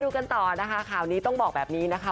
กันต่อนะคะข่าวนี้ต้องบอกแบบนี้นะคะ